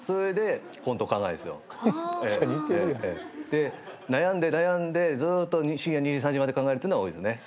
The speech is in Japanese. で悩んで悩んでずーっと深夜２時３時まで考えてるってのが多いですね。